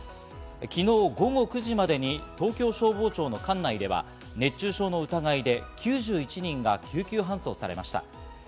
昨日午後９時までに東京消防庁の管内では熱中症の疑いで９１人が救急搬送されました。